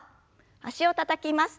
脚をたたきます。